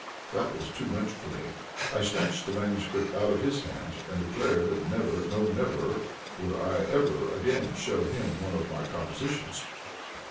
That was too much for me; I snatched the MSS. out of his hands, and declared that never, no never, would I ever again show him one of my compositions.